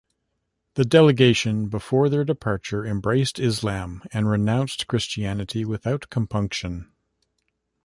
The delegation before their departure embraced Islam and renounced Christianity without compunction.